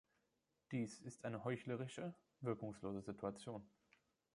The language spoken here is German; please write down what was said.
Dies ist eine heuchlerische, wirkungslose Situation.